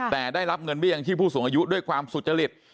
แต่ได้รับเงินเบี้ยยังชีพผู้สูงอายุด้วยความสุจริต